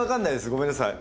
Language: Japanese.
ごめんなさい。